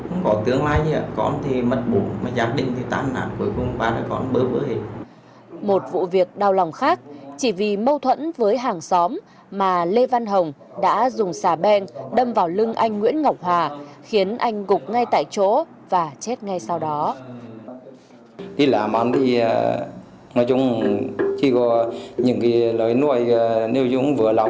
một vụ việc đau lòng khác chỉ vì mâu thuẫn với hàng xóm mà lê văn hồng đã dùng xà bèn đâm vào lưng anh nguyễn ngọc hòa khiến anh gục ngay tại chỗ và chết ngay sau đó